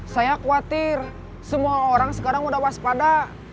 saya khawatir semua orang sekarang sudah waspada